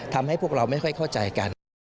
ทำให้พวกเราไม่ค่อยเข้าใจกัน